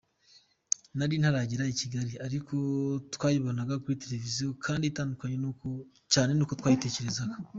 Nari ntaragera i Kigali, ariko twayibonaga kuri televiziyo kandi itandukanye cyane n’uko nayitekerezaga.